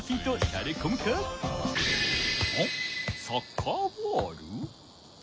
サッカーボール？